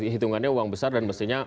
hitungannya uang besar dan mestinya